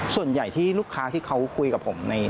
ส่วนใหญ่ที่ลูกค้าที่เขาคุยกับผม